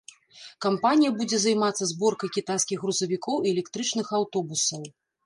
Кампанія будзе займацца зборкай кітайскіх грузавікоў і электрычных аўтобусаў.